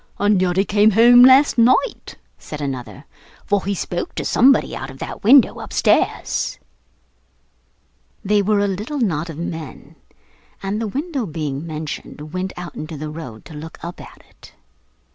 'And yet he came home last night,' said another; 'for he spoke to somebody out of that window upstairs.' They were a little knot of men, and, the window being mentioned, went out into the road to look up at it.